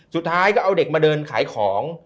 สุดท้ายก็เอาเด็กมาเดินขายของ